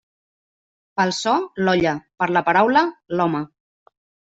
Pel so, l'olla; per la paraula, l'home.